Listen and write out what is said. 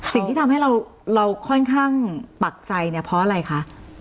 สิ่งที่ทำให้เราค่อนข้างปักใจเนี่ยเพราะอะไรคะ